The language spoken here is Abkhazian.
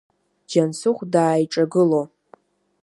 Џьансыхә дааиҿагыло.